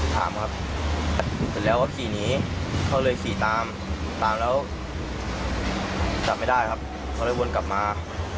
ถามครับเสร็จแล้วก็ขี่หนีเขาเลยขี่ตามตามแล้วจับไม่ได้ครับเขาเลยวนกลับมา